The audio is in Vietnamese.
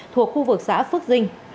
thuộc khu vực xã phước dinh